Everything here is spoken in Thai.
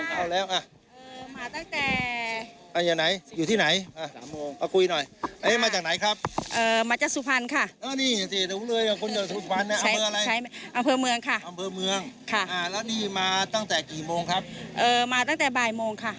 เข้าแล้วมาตั้งแต่อยู่ไหนอยู่ที่ไหนมาคุยหน่อยมาจากไหนครับมาจากสุภัณฑ์ค่ะอันเมืองค่ะอันเมืองค่ะมาตั้งแต่กี่โมงครับมาตั้งแต่บ่ายโมงค่ะ